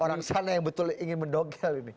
orang sana yang betul ingin mendongkel ini